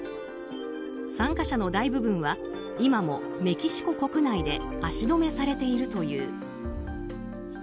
参加者の大部分は今もメキシコ国内で足止めされているという。